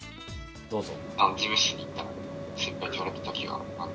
どうぞ。